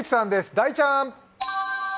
大ちゃん！